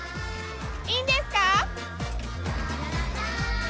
いいんですか？